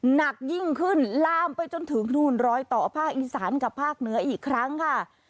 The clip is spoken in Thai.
หนักยิ่งขึ้นลามไปจนถึงนู่นรอยต่อภาคอีสานกับภาคเหนืออีกครั้งค่ะ